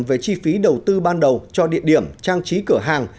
về chi phí đầu tư ban đầu cho địa điểm trang trí cửa hàng